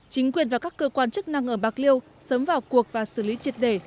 chính quyền và các cơ quan chức năng ở bạc liêu sớm vào cuộc và xử lý triệt đề